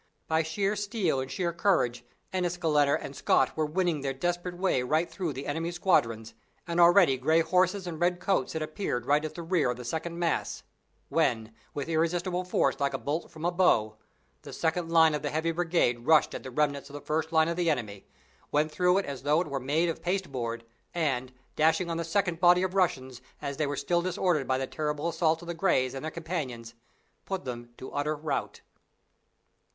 By sheer steel and sheer courage Enniskillener and Scot were winning their desperate way right through the enemy's squadrons, and already gray horses and red coats had appeared right at the rear of the second mass, when, with irresistible force like a bolt from a bow, the second line of the heavy brigade rushed at the remnants of the first line of the enemy, went through it as though it were made of paste board and, dashing on the second body of Russians as they were still disordered by the terrible assault of the Greys and their companions, put them to utter rout.